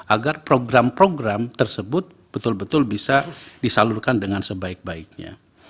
agar program program tersebut betul betul bisa disalurkan dengan sebaik baiknya